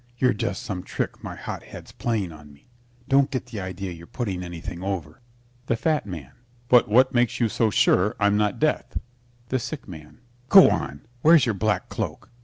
You're just some trick my hot head's playing on me. Don't get the idea you're putting anything over. THE FAT MAN But what makes you so sure I'm not Death? THE SICK MAN Go on! Where's your black cloak?